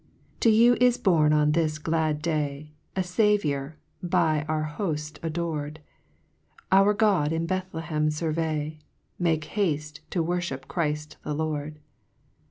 3 To you is born on this glad day, A Saviour; by our holt ador'd ; Our God in Bethlehem furvey, Make halle to worfliip Chrift the Lord.